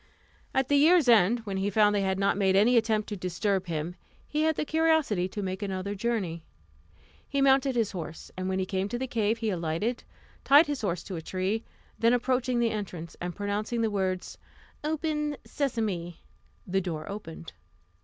At the year's end, when he found they had not made any attempt to disturb him, he had the curiosity to make another journey. He mounted his horse, and when he came to the cave he alighted, tied his horse to a tree, then approaching the entrance, and pronouncing the words, "Open, Sesame!" the door opened.